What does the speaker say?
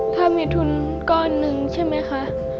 ถ้ามีทุนก้อนหนึ่งใช่ไหมคะ